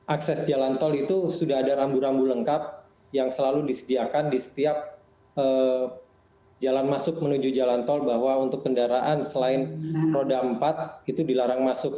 akses jalan tol itu sudah ada rambu rambu lengkap yang selalu disediakan di setiap jalan masuk menuju jalan tol bahwa untuk kendaraan selain roda empat itu dilarang masuk